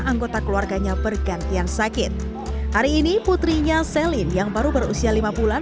anggota keluarganya bergantian sakit hari ini putrinya selin yang baru berusia lima bulan